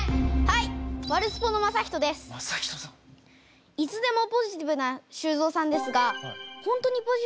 いつでもポジティブな修造さんですが本当にポジティブですか？